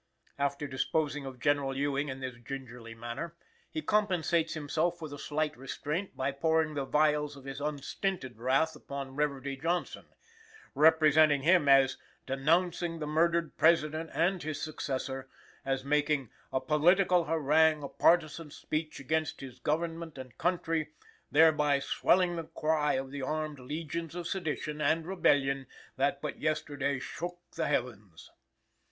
After disposing of General Ewing in this gingerly manner, he compensates himself for the slight restraint by pouring the vials of his unstinted wrath upon Reverdy Johnson; representing him as "denouncing the murdered President and his successor," as making "a political harangue, a partisan speech against his government and country, thereby swelling the cry of the armed legions of sedition and rebellion that but yesterday shook the heavens."